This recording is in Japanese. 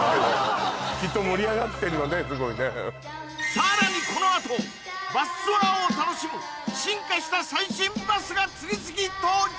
さらにこのあとバスツアーを楽しむ進化した最新バスが次々登場